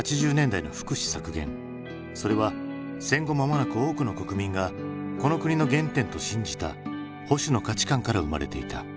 それは戦後間もなく多くの国民がこの国の原点と信じた保守の価値観から生まれていた。